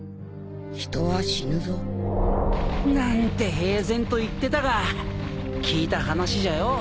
人は死ぬぞ。なんて平然と言ってたが聞いた話じゃよ